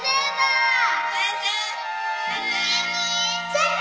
先生！